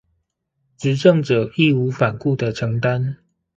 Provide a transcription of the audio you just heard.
執政者義無反顧的承擔